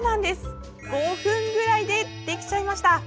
５分ぐらいでできちゃいました。